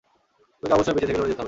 তোকে অবশ্যই বেঁচে থেকে লড়ে যেতে হবে!